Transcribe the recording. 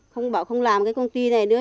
không bảo không làm cái công ty này nữa